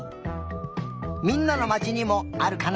みんなのまちにもあるかな？